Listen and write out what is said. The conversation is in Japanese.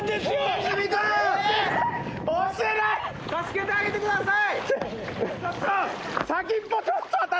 ・助けてあげてください！